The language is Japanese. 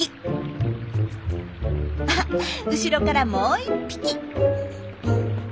あ後ろからもう一匹。